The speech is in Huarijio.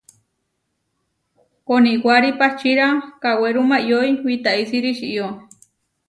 Koniwári pahčíra kawéruma iʼyói witaísiri ičió.